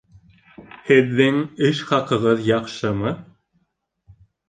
Һеҙҙең эш хаҡығыҙ яҡшымы?